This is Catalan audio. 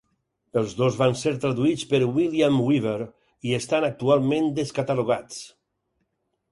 Els dos van ser traduïts per William Weaver i estan actualment descatalogats.